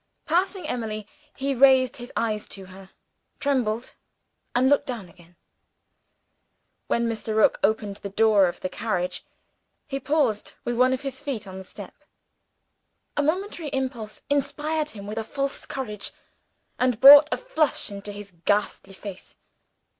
Passing Emily he raised his eyes to her trembled and looked down again. When Mr. Rook opened the door of the carriage he paused, with one of his feet on the step. A momentary impulse inspired him with a false courage, and brought a flush into his ghastly face.